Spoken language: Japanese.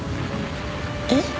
えっ？